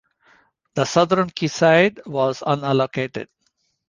The southern quayside was unallocated.